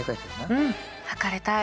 うんはかれたい。